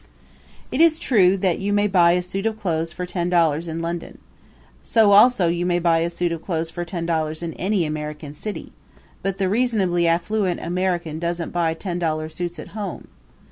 It is true that you may buy a suit of clothes for ten dollars in London; so also may you buy a suit of clothes for ten dollars in any American city, but the reasonably affluent American doesn't buy ten dollar suits at home.